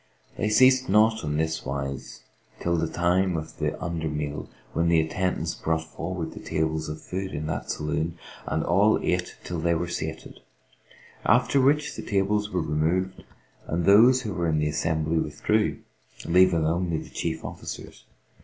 They ceased not on this wise till the time of the under meal when the attendants brought forward the tables of food in that saloon and all ate till they were sated; after which the tables were removed and those who were in the assembly withdrew, leaving only the chief officers.